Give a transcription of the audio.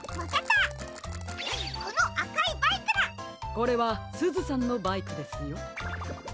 これはすずさんのバイクですよ。